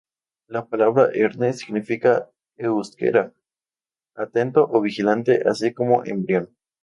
La palabra "erne" significa en euskera "atento" o "vigilante", así como "embrión".